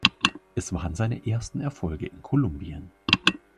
Es waren seine ersten Erfolge in Kolumbien.